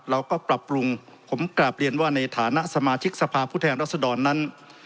เราก็ปรับปรุงผมกลับเรียนว่าในฐานะสมาชิกสภาพผู้แทนรัศดรนั้น